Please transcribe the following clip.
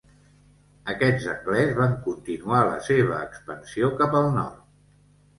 Aquests angles van continuar la seva expansió cap al nord.